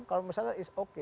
kalau misalnya is oke